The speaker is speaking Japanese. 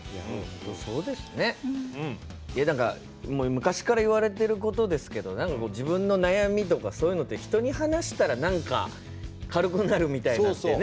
昔から言われてることですけど自分の悩みとかそういうのって人に話したらなんか軽くなるみたいなのってね。